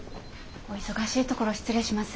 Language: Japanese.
お忙しいところ失礼します。